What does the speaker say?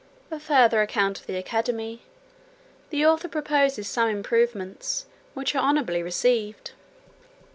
A further account of the academy. The author proposes some improvements, which are honourably received.